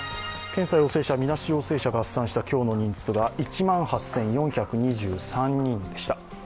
検査陽性者、みなし陽性者を合算した今日の人数は１万８４２３人でした。